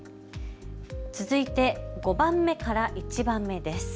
続いて５番目から１番目です。